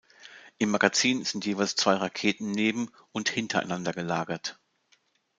Im Magazin sind jeweils zwei Raketen neben und hintereinander gelagert.